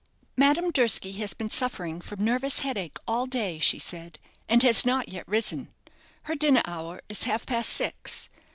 "Madame Durski has been suffering from nervous headache all day," she said, "and has not yet risen. Her dinner hour is half past six.